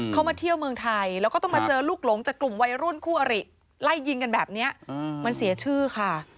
เขามาเที่ยวเมืองไทยแล้วก็ต้องมาเจอลูกหลงจากกลุ่มวัยรุ่นคู่อริไล่ยิงกันแบบนี้มันเสียชื่อค่ะ